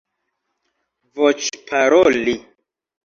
voĉparoli